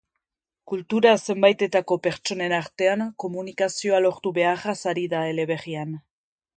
Kultura zenbaitetako pertsonen artean komunikazioa lortu beharraz ari da eleberrian.